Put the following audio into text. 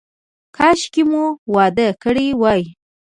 کاشکې مو واده کړی وای.